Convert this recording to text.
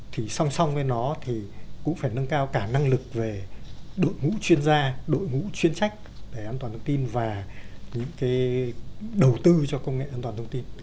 thì song song với nó thì cũng phải nâng cao cả năng lực về đội ngũ chuyên gia đội ngũ chuyên trách về an toàn thông tin và những cái đầu tư cho công nghệ an toàn thông tin